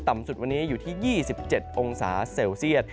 สุดวันนี้อยู่ที่๒๗องศาเซลเซียต